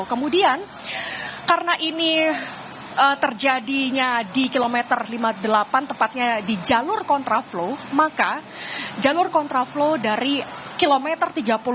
kemudian karena ini terjadinya di kilometer lima puluh delapan tepatnya di jalur kontraflow maka jalur kontraflow dari kilometer tiga puluh